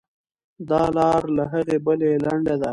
دا لار له هغې بلې لنډه ده.